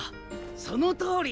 そのとおり！